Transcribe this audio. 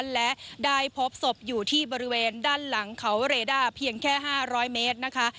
และได้พบศพอยู่ที่บริเวณด้านหลังเขาเรด้าเพียงแค่๕๐๐เมตรนะคะ